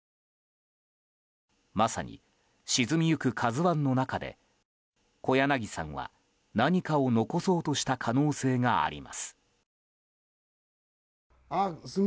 まさに沈みゆく「ＫＡＺＵ１」の中で小柳さんは、何かを残そうとした可能性があります。